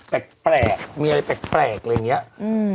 แปลกแปลกมีอะไรแปลกแปลกอะไรอย่างเงี้ยอืม